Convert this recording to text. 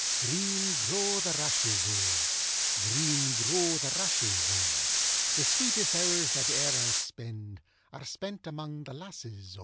Green grow the rashes, O; Green grow the rashes, O; The sweetest hours that e'er I spend, Are spent amang the lasses, O.